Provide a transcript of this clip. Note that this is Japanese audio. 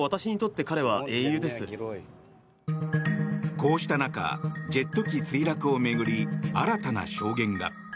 こうした中ジェット機墜落を巡り新たな証言が。